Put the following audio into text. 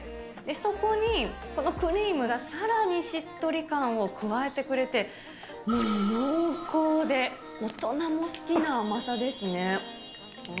そこにこのクリームがさらにしっとり感を加えてくれて、もう濃厚で、大人も好きな甘さですね。